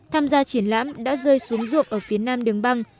tham gia triển lãm đã rơi xuống ruộng ở phía nam đường băng